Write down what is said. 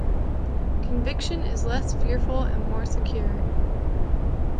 Conviction is less fearful and more secure.